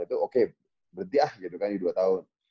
itu oke berhenti ah gitu kan di dua tahun